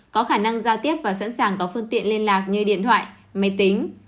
có khả năng giao tiếp và sẵn sàng có phương tiện liên lạc như điện thoại máy tính